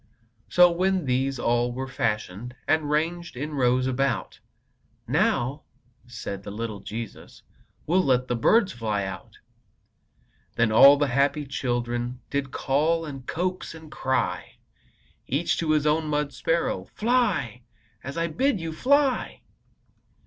So, when these all were fashioned, And ranged in rows about, "Now," said the little Jesus, "We'll let the birds fly out." Then all the happy children Did call, and coax, and cry Each to his own mud sparrow: "Fly, as I bid you! Fly!"